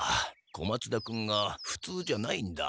小松田君が普通じゃないんだ。